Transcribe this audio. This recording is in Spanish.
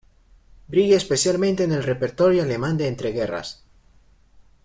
Brilla especialmente en el repertorio alemán de entreguerras.